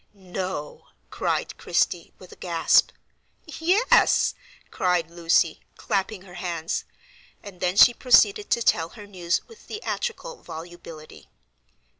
"No!" cried Christie, with a gasp. "Yes!" cried Lucy, clapping her hands; and then she proceeded to tell her news with theatrical volubility.